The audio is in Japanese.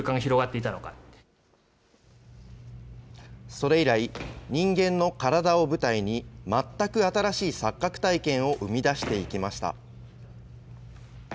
それ以来、人間の体を舞台に、全く新しい錯覚体験を生み出していきました。